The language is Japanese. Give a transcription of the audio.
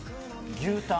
牛タン。